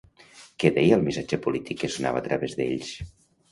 Què deia el missatge polític que sonava a través d'ells?